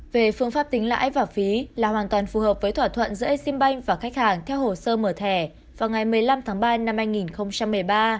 về phương pháp tính lãi và phí là hoàn toàn phù hợp với thỏa thuận giữa exim bank và khách hàng theo hồ sơ mở thẻ vào ngày một mươi năm tháng ba năm hai nghìn một mươi ba